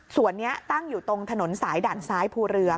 ส่วนนี้ตั้งอยู่ตรงถนนสายด่านซ้ายภูเรือ